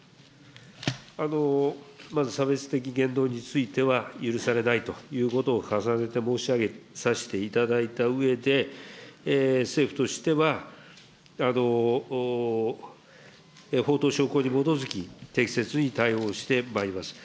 まず差別的言動については許されないということを重ねて申し上げさせていただいたうえで、政府としては、法と証拠に基づき、適切に対応してまいります。